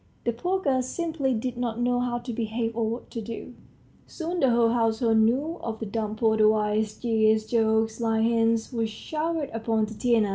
The poor girl simply did not know how to behave or what to do. Soon the whole household knew of the dumb porter's wiles; jeers, jokes, sly hints, were showered upon Tatiana.